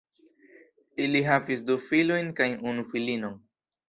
Ili havis du filojn kaj unu filinon.